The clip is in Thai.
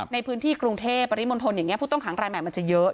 ในพื้นที่กรุงเทพปริมณฑลอย่างนี้ผู้ต้องขังรายใหม่มันจะเยอะ